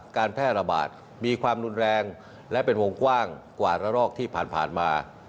การแพร่ระบาดมีความรุนแรงและเป็นวงกว้างกว่าระลอกที่ผ่านมา